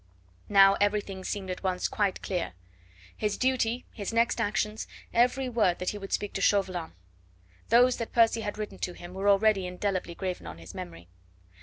Now everything seemed at once quite clear; his duty, his next actions, every word that he would speak to Chauvelin. Those that Percy had written to him were already indelibly graven on his memory.